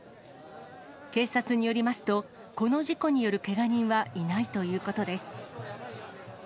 警察によりますと、この事故によるけが人はいないということです。